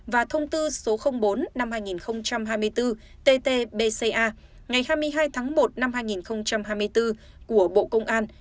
và thông tư số bốn năm hai nghìn hai mươi bốn tt bca ngày hai mươi hai tháng một năm hai nghìn hai mươi bốn của bộ công an